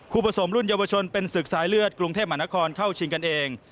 ผสมรุ่นเยาวชนเป็นศึกสายเลือดกรุงเทพมหานครเข้าชิงกันเอง